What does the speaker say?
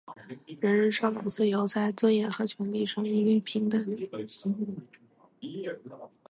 人人生而自由，在尊严和权利上一律平等。